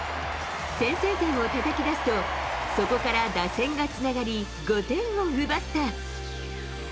先制点をたたき出すと、そこから打線がつながり、５点を奪った。